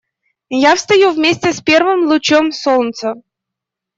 Я встаю вместе с первым лучом солнца.